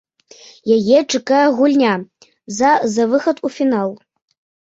Яе чакае гульня за за выхад у фінал.